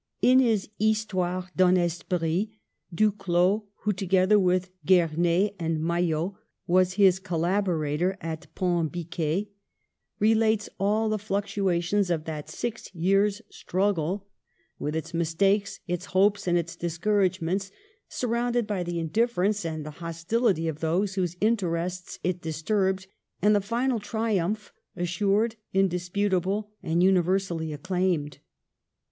In his Histoire d'un Esprit Duclaux, who, to gether with Gernez and Maillot, was his col laborator at Pont Biquet, relates all the fluctu ations of that six years' struggle, with its mis FOR THE NATIONAL WEALTH 87 takes, its hopes, and its discouragements, sur rounded by the indifference and the hostility of those whose interests it disturbed, and the final triumph, assured, indisputable and univer sally acclaimed.